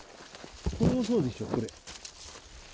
これもそうでしょ、これ。